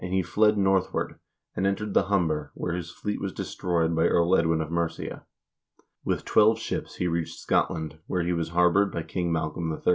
i — u 290 HISTORY OF THE NORWEGIAN PEOPLE fled northward, and entered the Humber, where his fleet was de stroyed by Earl Edwin of Mercia. With twelve ships he reached Scotland, where he was harbored by King Malcolm III.